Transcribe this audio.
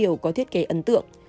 tiêu biểu có thiết kế ấn tượng